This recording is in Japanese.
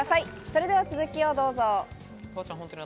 それでは続きをどうぞ。